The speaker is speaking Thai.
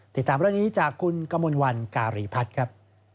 ติดตามเรื่องนี้จากคุณกมลวันการีพัฒน์ครับ